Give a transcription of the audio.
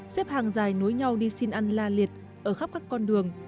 xếp hàng dài nối nhau đi xin ăn la liệt ở khắp các con đường